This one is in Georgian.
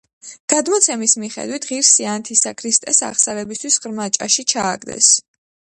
გადმოცემის მიხედვით, ღირსი ანთისა ქრისტეს აღსარებისთვის ღრმა ჭაში ჩააგდეს.